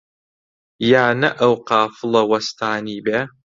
یا نە ئەو قافڵە وەستانی بێ؟